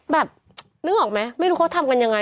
แบบนึกออกไหมไม่รู้เขาทำกันยังไง